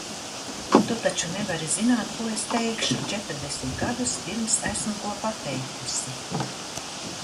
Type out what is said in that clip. Tu taču nevari zināt ko es teikšu, četrdesmit gadus pirms esmu ko pateikusi!